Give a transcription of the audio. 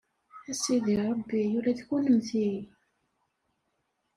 A Sidi Ṛebbi, ula d kennemti?